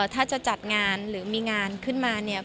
ถ้าจะจัดงานหรือมีงานขึ้นมาเนี่ย